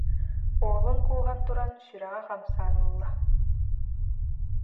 Уолун кууһан туран, сүрэҕэ хамсаан ылла